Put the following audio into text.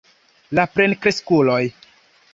La plenkreskuloj.